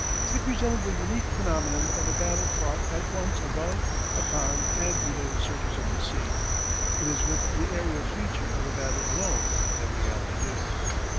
It presented the unique phenomenon of a battle fought at once above, upon, and below the surface of the sea. It is with the aërial feature of the battle alone that we have to do.